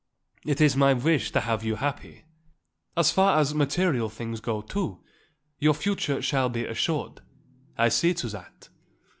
It is my wish to have you happy. As far as material things go, too, your future shall be assured; I see to that.